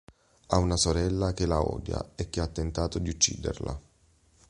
Ha una sorella che la odia e che ha tentato di ucciderla.